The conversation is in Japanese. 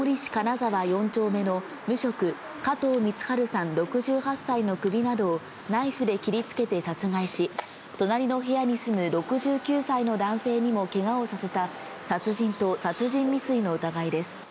ざわ４丁目の無職、加藤光晴さん６８歳の首などをナイフで切りつけて殺害し、隣の部屋に住む６９歳の男性にもけがをさせた殺人と殺人未遂の疑いです。